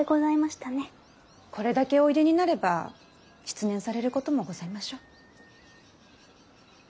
これだけおいでになれば失念されることもございましょう。